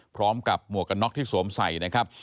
พร้อมกับหมวกน็อกที่สวมใส่นะครับ